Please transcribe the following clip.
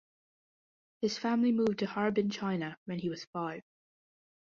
His family moved to Harbin, China when he was five.